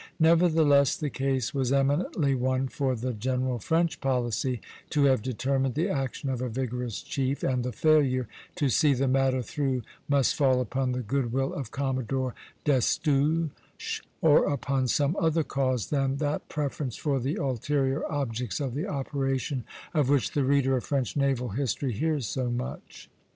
Nevertheless, the case was eminently one for the general French policy to have determined the action of a vigorous chief, and the failure to see the matter through must fall upon the good will of Commodore Destouches, or upon some other cause than that preference for the ulterior objects of the operations, of which the reader of French naval history hears so much.